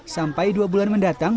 sampai dua bulan mendatang